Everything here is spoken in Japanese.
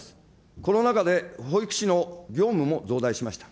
コロナ禍で保育士の業務も増大しました。